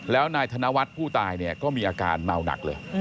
แล้วนายธนวัฒน์ผู้ตายเนี่ยก็มีอาการเมาหนักเลย